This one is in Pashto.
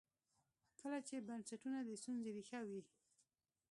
کله چې بنسټونه د ستونزې ریښه وي.